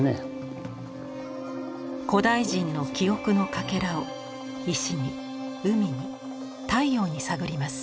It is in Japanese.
古代人の記憶のかけらを石に海に太陽に探ります。